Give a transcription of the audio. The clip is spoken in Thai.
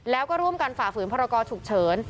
แล้วก็ร่วมกันฝ่าฝืนพรกรฉุกเฉิน